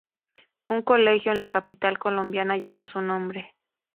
Un colegio en la capital colombiana lleva su nombre.